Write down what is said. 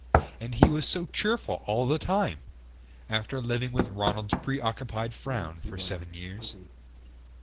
And he was so cheerful all the time! After living with Ronald's preoccupied frown for seven years